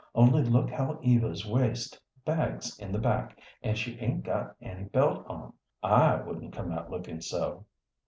"Only look how Eva's waist bags in the back and she 'ain't got any belt on. I wouldn't come out lookin' so."